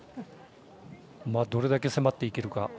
どれだけ迫っていけるか。